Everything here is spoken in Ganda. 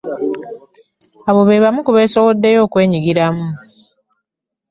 Abo be bamu ku beesowoddeyo okwenyigiramu.